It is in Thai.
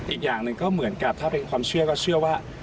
อีกอย่างหนึ่งก็เหมือนกับถ้าเป็นความเชื่อก็เชื่อว่า